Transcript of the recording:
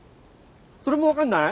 それも分かんない？